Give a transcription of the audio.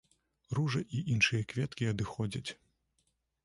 Ружа і іншыя кветкі адыходзяць.